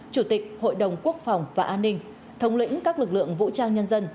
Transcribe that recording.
chủ tịch hội đồng quốc phòng và an ninh thống lĩnh các lực lượng vũ trang nhân dân